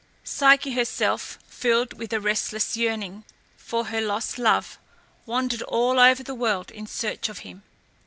Psyche herself, filled with a restless yearning for her lost love, wandered all over the world in search of him.